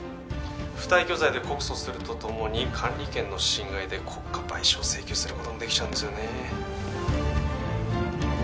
不退去罪で告訴するとともに管理権の侵害で国家賠償請求することもできちゃうんですよね